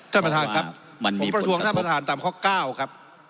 เจ้าประธานครับผมประท้วงเจ้าประธานตามข้อ๙ครับ